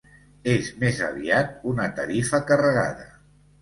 És més aviat una tarifa carregada.